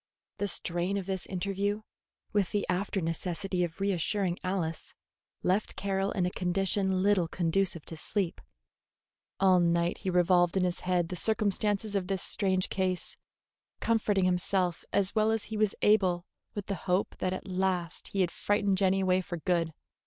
The strain of this interview, with the after necessity of reassuring Alice, left Carroll in a condition little conducive to sleep. All night he revolved in his head the circumstances of this strange case, comforting himself as well as he was able with the hope that at last he had frightened Jenny away for good.